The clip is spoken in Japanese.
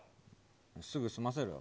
すぐ済ませろよ。